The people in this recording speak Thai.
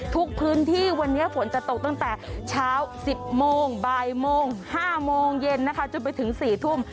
ทุกพื้นที่วันนี้ฝนจะตกตั้งแต่เช้า๑๐โมงบ่ายโมง๕โมงเย็นนะคะจนไปถึง๔ทุ่ม